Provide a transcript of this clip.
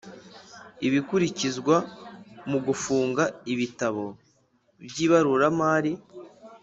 Ibikurikizwa mu gufunga ibitabo by ibaruramari